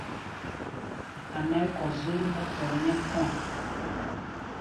A̧ nɛɛ́ kɔzér mɛ́ fɔr nyɛ́k kɔ̧́-a̧.